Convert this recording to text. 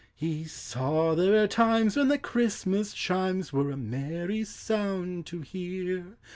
He saw the rare times when the Christ mas chin Were a merry sound to hear.